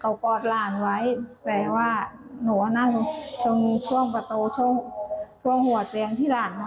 เขากอดหลานไว้แต่ว่าหนูนั่งตรงช่วงประตูช่วงหัวเตียงที่หลาน